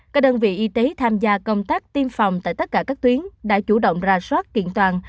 các đơn vị y tế tham gia công tác tiêm phòng tại tất cả các tuyến đã chủ động ra soát kiện toàn